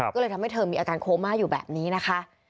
ก็เลยทำให้เธอมีอาการโคม่าอยู่แบบนี้นะคะ